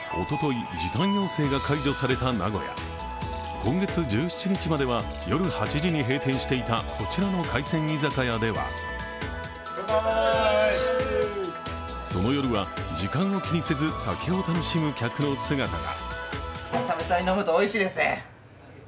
今月１７日までは夜８時に閉店していたこちらの海鮮居酒屋にはその夜は、時間を気にせず酒を楽しむ客の姿が。